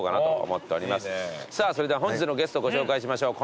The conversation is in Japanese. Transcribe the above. さぁそれでは本日のゲストをご紹介しましょう。